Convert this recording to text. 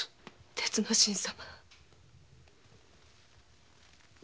鉄之進様。